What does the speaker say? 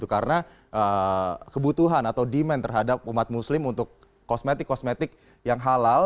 karena kebutuhan atau demand terhadap umat muslim untuk kosmetik kosmetik yang halal